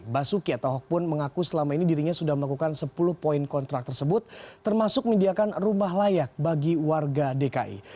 basuki atau hok pun mengaku selama ini dirinya sudah melakukan sepuluh poin kontrak tersebut termasuk menyediakan rumah layak bagi warga dki